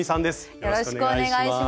よろしくお願いします。